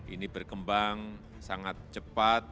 ini berkembang sangat cepat